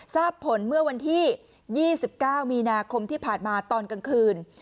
ทราบผลเมื่อวันที่๒๙มีนาคมที่ผ่านมาตอนกลางคืน